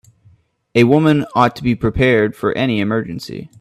A woman ought to be prepared for any emergency.